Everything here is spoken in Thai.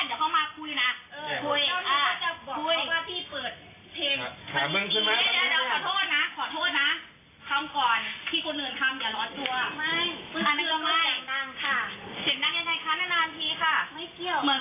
โอ้โหดูอยู่แล้วค่ะกล้อง